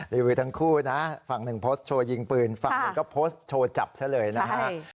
รีวิวทั้งคู่นะฝั่งหนึ่งโพสต์โชว์ยิงปืนฝั่งหนึ่งก็โพสต์โชว์จับซะเลยนะฮะ